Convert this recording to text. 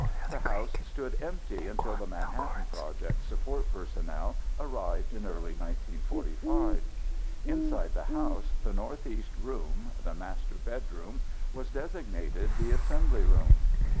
The house stood empty until the Manhattan Project support personnel arrived in early 1945. Inside the house the northeast room (the master bedroom) was designated the assembly room.